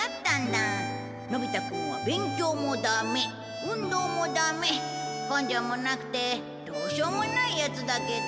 のび太君は勉強もだめ運動もだめ根性もなくてどうしようもないやつだけど。